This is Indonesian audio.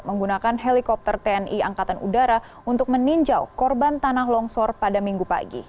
menggunakan helikopter tni angkatan udara untuk meninjau korban tanah longsor pada minggu pagi